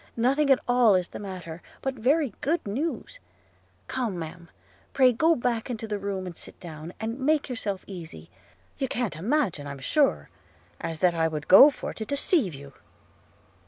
nothing at all is the matter, but very good news – Come, ma'am; pray go back into the room and sit down, and make yourself easy; you can't imagine, I'm sure, as that I would go for to deceive you.'